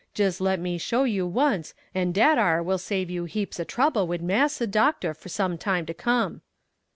Jis let me show you once, and dat ar will save you heaps o' trouble wid Massa doct'r for time to come."